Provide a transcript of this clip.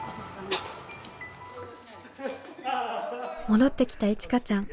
戻ってきたいちかちゃん。